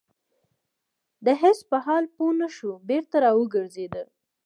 هیڅ په حال پوه نه شو بېرته را وګرځيده.